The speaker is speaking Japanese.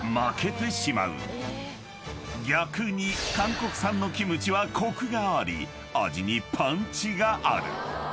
［逆に韓国産のキムチはコクがあり味にパンチがある］